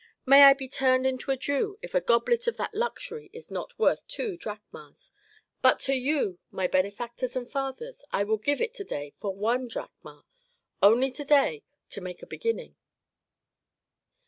May I be turned into a Jew if a goblet of that luxury is not worth two drachmas, but to you, my benefactors and fathers, I will give it to day for one drachma, only to day, to make a beginning."